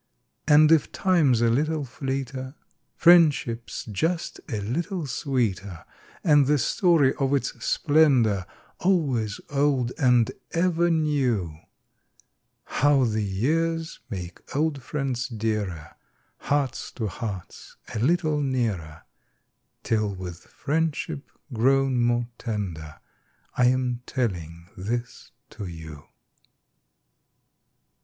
y\AJD if time's a little / V fleeter, friendship s just a little sxx>eeter, And the storp o" its splendor AlvOaps old and eVer neu); Hovc> the pears make old friends dearet~, Hearts to hearts a little nearer Till voith friendship pro>xm more tender I am tellina this to ou.